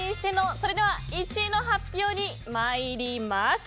それでは１位の発表に参ります。